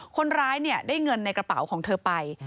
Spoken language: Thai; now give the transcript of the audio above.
คนร้ายได้เงินในกระเป๋าของเธอไป